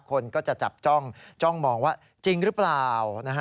คนก็จะจับจ้องจ้องมองว่าจริงหรือเปล่า